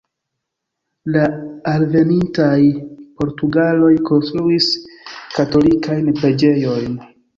La alvenintaj portugaloj konstruis katolikajn preĝejojn.